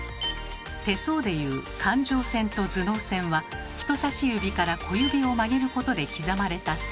手相でいう感情線と頭脳線は人さし指から小指を曲げることで刻まれた線。